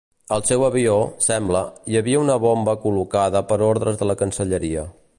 Al seu avió, sembla, hi havia una bomba col·locada per ordres de la Cancelleria.